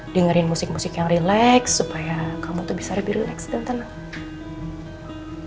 dengarin musik musik yang rileks supaya kamu tuh bisa lebih rileks dan tenang